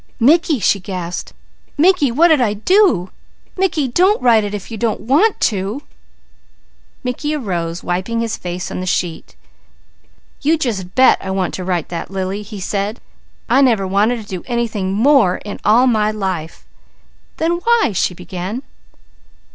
"Mickey!" she gasped. "Mickey, what did I do? Mickey, don't write it if you don't want to!" Mickey arose, wiping his face on the sheet. "You just bet I want to write that, Lily!" he said. "I never wanted to do anything more in all my life!" "Then why ?" she began.